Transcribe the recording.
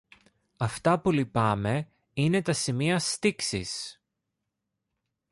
Αυτά που λυπάμαι είναι τα σημεία στίξης